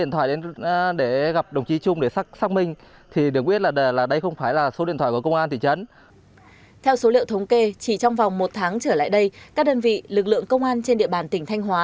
theo số liệu thống kê chỉ trong vòng một tháng trở lại đây các đơn vị lực lượng công an trên địa bàn tỉnh thanh hóa